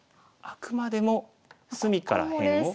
あくまでも隅から辺を。